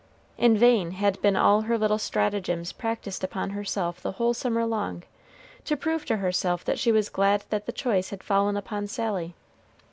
In vain had been all her little stratagems practiced upon herself the whole summer long, to prove to herself that she was glad that the choice had fallen upon Sally.